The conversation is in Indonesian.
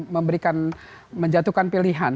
memberikan menjatuhkan pilihan